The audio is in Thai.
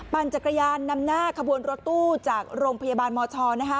ปั่นจักรยานนำหน้าขบวนรถตู้จากโรงพยาบาลมช